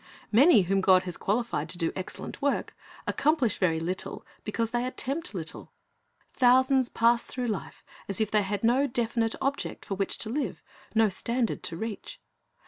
Many whom God has qualified to do excellent work accomplish very little, because they attempt little. Thousands pass through life as if they had no definite object for which to live, no standard to reach.